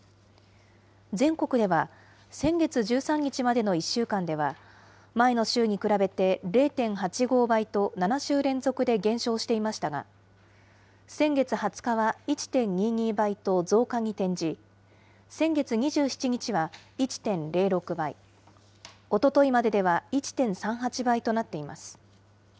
全国では、先月１３日までの１週間では、前の週に比べて０．８５倍と、７週連続で減少していましたが、先月２０日は１．２２倍と増加に転じ、先月２７日は１．０６倍、おとといまででは１．３８倍となっています。